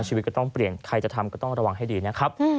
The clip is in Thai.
ชีวิตก็ต้องเปลี่ยนใครจะทำก็ต้องระวังให้ดีนะครับ